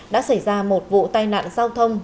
đã xảy ra một vụ tai nạn giao thông